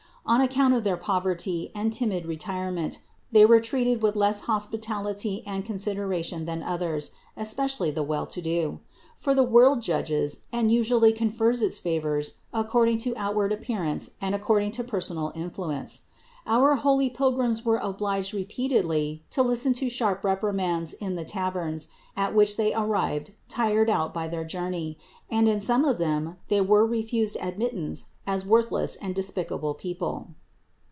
On account of their poverty and timid retirement they were treated with less hospitality and consideration than others, especially the well to do ; for the world judges and usually confers its favors according to outward appearance and according to personal influence. Our holy pilgrims were obliged repeatedly to listen to sharp reprimands in the taverns, at which they arrived tired out by their journey, and in some of them they were refused admittance as worthless and despicable people.